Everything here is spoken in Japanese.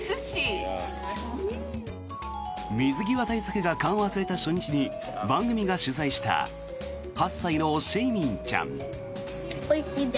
水際対策が緩和された初日に番組が取材した８歳のシェイミンちゃん。